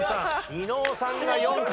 伊野尾さんが４回。